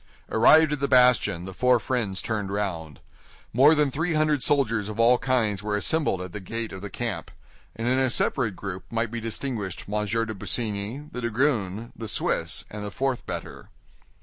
Arrived at the bastion, the four friends turned round. More than three hundred soldiers of all kinds were assembled at the gate of the camp; and in a separate group might be distinguished M. de Busigny, the dragoon, the Swiss, and the fourth bettor.